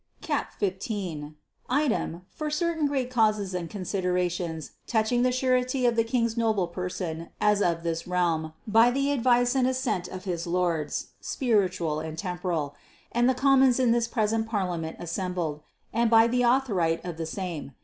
Cap XV. Item for certayn great causes and consideracions touchynge the suretye of the kynges noble persone as of this realme, by the advyce and assente of his lordes spirituall and temporal, and the commons in this present parliament assembled, and by the auctorite of the same.